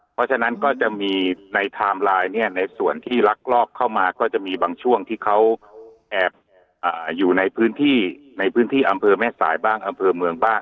เพราะฉะนั้นก็จะมีในไทม์ไลน์เนี่ยในส่วนที่ลักลอบเข้ามาก็จะมีบางช่วงที่เขาแอบอยู่ในพื้นที่ในพื้นที่อำเภอแม่สายบ้างอำเภอเมืองบ้าง